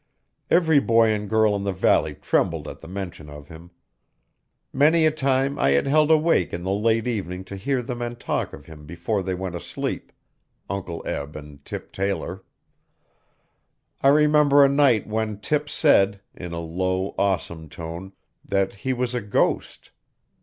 Every boy and girl in the valley trembled at the mention of him. Many a time I had held awake in the late evening to hear the men talk of him before they went asleep Uncle Eb and Tip Taylor. I remember a night when Tip said, in a low awesome tone, that he was a ghost.